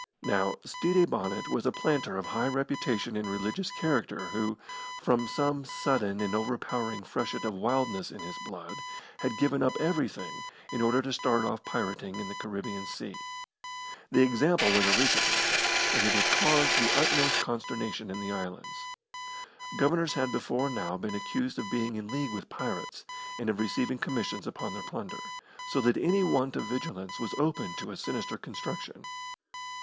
Now, Stede Bonnet was a planter of high reputation and religious character who, from some sudden and overpowering freshet of wildness in his blood, had given up everything in order to start off pirating in the Caribbean Sea. The example was a recent one, and it had caused the utmost consternation in the islands. Governors had before now been accused of being in league with pirates, and of receiving commissions upon their plunder, so that any want of vigilance was open to a sinister construction.